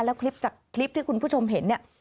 แล้วคลิปที่คุณผู้ชมเห็นเนี่ย